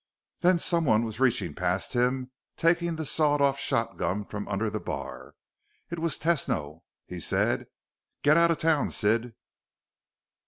Then someone was reaching past him, taking the sawed off shotgun from under the bar. It was Tesno. He said, "Get out of town, Sid."